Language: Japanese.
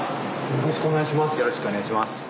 よろしくお願いします。